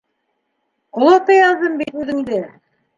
Ҡолата яҙҙым бит үҙеңде!